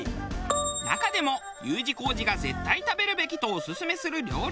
中でもＵ字工事が「絶対食べるべき」とオススメする料理が。